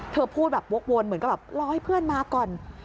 พูดแบบวกวนเหมือนกับแบบรอให้เพื่อนมาก่อน